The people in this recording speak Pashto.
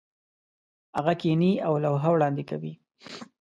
هغه کښېني او لوحه وړاندې کوي.